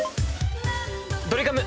ドリカム。